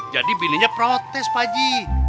jadi bininya protes pak ji